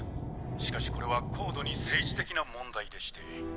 しかしこれは高度に政治的な問題でして。